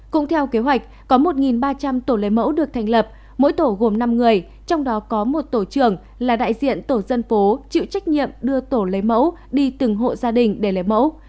cũng theo kế hoạch có một ba trăm linh tổ lấy mẫu được thành lập mỗi tổ gồm năm người trong đó có một tổ trưởng là đại diện tổ dân phố chịu trách nhiệm đưa tổ lấy mẫu đi từng hộ gia đình để lấy mẫu